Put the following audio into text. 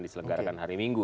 diselenggarakan hari minggu